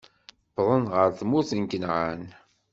Wwḍen ɣer tmurt n Kanɛan.